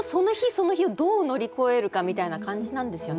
その日をどう乗り越えるかみたいな感じなんですよね。